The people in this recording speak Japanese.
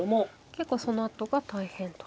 結構そのあとが大変と。